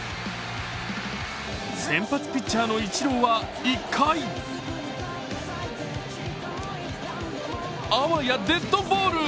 先発ピッチャーのイチローは１回あわやデッドボール。